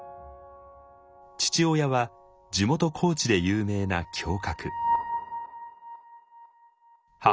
父親は地元高知で有名な侠客。